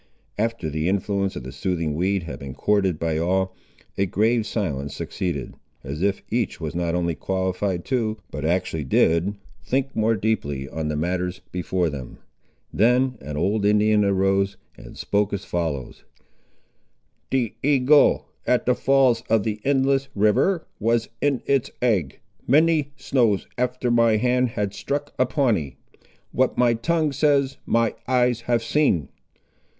After the influence of the soothing weed had been courted by all, a grave silence succeeded, as if each was not only qualified to, but actually did, think more deeply on the matters before them. Then an old Indian arose, and spoke as follows:— "The eagle, at the falls of the endless river, was in its egg, many snows after my hand had struck a Pawnee. What my tongue says, my eyes have seen.